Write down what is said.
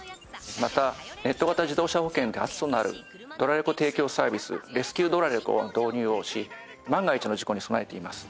またネット型自動車保険で初となるドラレコ提供サービス「レスキュードラレコ」の導入をし万が一の事故に備えています。